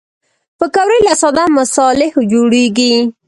پکورې له ساده مصالحو جوړېږي